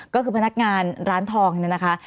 ก็คือพนักงานร้านทองนะคะ